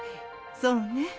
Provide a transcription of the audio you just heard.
そうね。